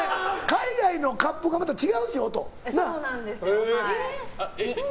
海外のカップがまた違うんですよ、音。